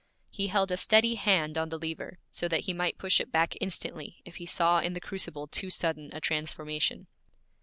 He held a steady hand on the lever, so that he might push it back instantly if he saw in the crucible too sudden a transformation.